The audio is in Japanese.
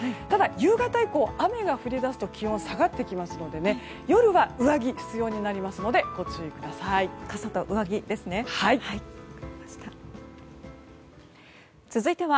ただ、夕方以降雨が降り出すと気温が下がってきますので夜は上着が必要になりますのでご注意ください。